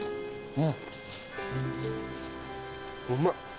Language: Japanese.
うまい。